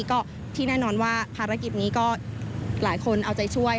ก็ที่แน่นอนว่าภารกิจนี้ก็หลายคนเอาใจช่วย